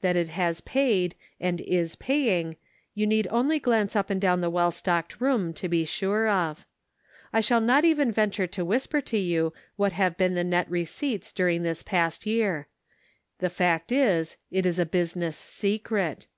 That it has paid, and is pay ing, you need only glance up and down the well stocked room to be sure of. I shall not even venture to whisper to you what have been the net receipts during this past year ; the fact is, it is a business secret.